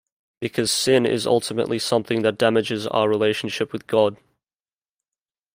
Because sin is ultimately something that damages our relationship with God.